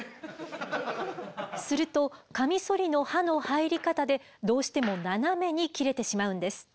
するとカミソリの刃の入り方でどうしても斜めに切れてしまうんです。